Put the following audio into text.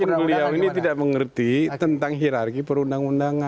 mungkin beliau ini tidak mengerti tentang hirarki perundang undangan